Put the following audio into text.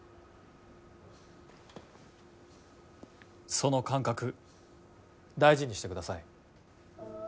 その感覚大事にしてください。